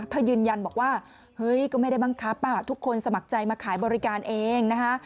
ยืนยันบอกว่าเฮ้ยก็ไม่ได้บังคับทุกคนสมัครใจมาขายบริการเองนะคะ